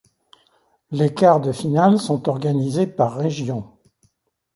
Les quarts de finale sont organisés par région.